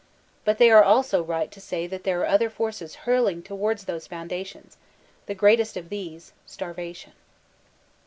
But they are also right who say that there are other forces hurling towards those foundations ; the great est of these, — Starvation.